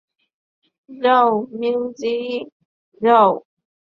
যাও, মেইজি, যাও!